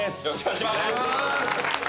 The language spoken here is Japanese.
よろしくお願いします。